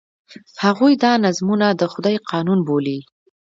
هغوی دا نظمونه د خدای قانون بولي.